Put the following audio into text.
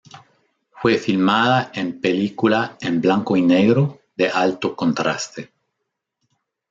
Fue filmada en película en blanco y negro de alto contraste.